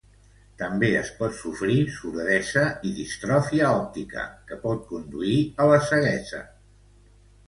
També es pot sofrir sordesa i distròfia òptica, que pot conduir a la ceguesa.